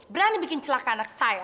berani bikin celaka anak saya